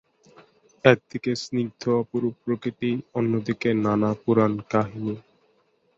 একদিকে স্নিগ্ধ অপরূপ প্রকৃতি অন্য দিকে নানা পুরাণ কাহিনী।